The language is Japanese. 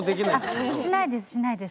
しないですしないです。